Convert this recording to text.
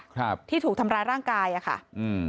ครับที่ถูกทำร้ายร่างกายอ่ะค่ะอืม